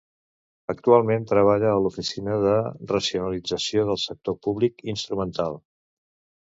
Actualment treballa a l'Oficina de Racionalització del Sector Públic Instrumental.